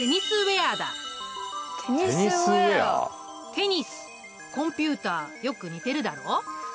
テニスコンピュータよく似てるだろ？